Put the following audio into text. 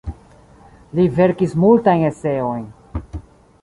Li verkis multajn eseojn.